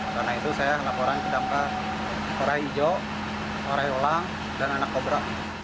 karena itu saya laporan kedampak orang hijau orang orang dan anak kobra